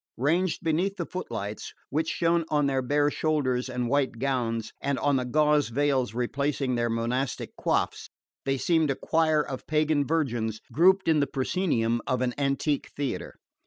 Ranged beneath the footlights, which shone on their bare shoulders and white gowns, and on the gauze veils replacing their monastic coifs, they seemed a choir of pagan virgins grouped in the proscenium of an antique theatre.